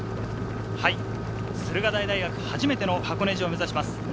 駿河台大学、初めての箱根路を目指します。